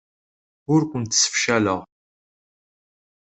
Ur kent-ssefcaleɣ.